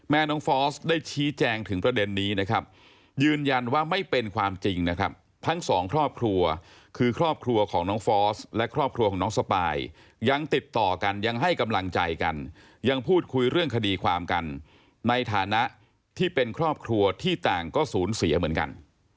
น้องฟอสได้ชี้แจงถึงประเด็นนี้นะครับยืนยันว่าไม่เป็นความจริงนะครับทั้งสองครอบครัวคือครอบครัวของน้องฟอสและครอบครัวของน้องสปายยังติดต่อกันยังให้กำลังใจกันยังพูดคุยเรื่องคดีความกันในฐานะที่เป็นครอบครัวที่ต่างก็สูญเสียเหมือนกัน